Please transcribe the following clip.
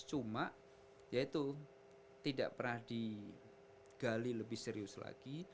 cuma yaitu tidak pernah digali lebih serius lagi